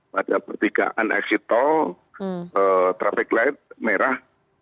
pada pertikaan eksik tolbawen trafik light merah